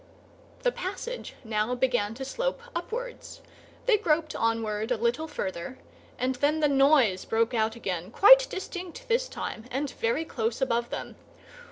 The passage now began to slope upwards; they groped onward a little further, and then the noise broke out again, quite distinct this time, and very close above them.